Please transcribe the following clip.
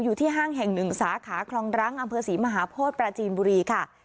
ห้างแห่งหนึ่งสาขาคลองรังอำเภอศรีมหาโพธิปราจีนบุรีค่ะ